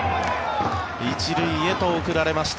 １塁へと送られました。